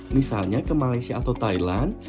misalnya ke malaysia atau thailand